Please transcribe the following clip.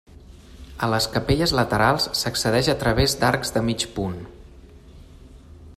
A les capelles laterals, s'accedeix a través d'arcs de mig punt.